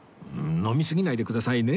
飲みすぎないでくださいね